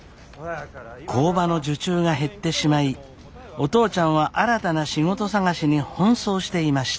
工場の受注が減ってしまいお父ちゃんは新たな仕事探しに奔走していました。